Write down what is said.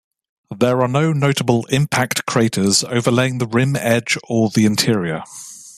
There are no notable impact craters overlaying the rim edge or the interior.